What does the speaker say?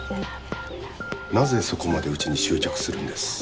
なぜそこまでうちに執着するんです？